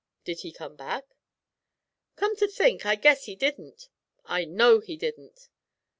'Did he come back?' 'Come to think, I guess he didn't; I know he didn't.'